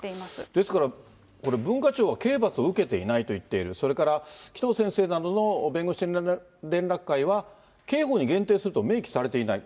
ですから、これ、文化庁は刑罰を受けていないといっている、それから紀藤先生などの弁護士連絡会は、刑法に限定すると明記されていない。